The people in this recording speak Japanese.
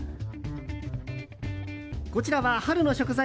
こちらは、春の食材